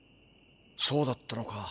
そうだったのか。